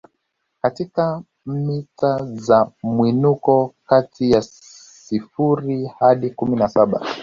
katika mita za mwinuko kati ya sifuri hadi kumi na saba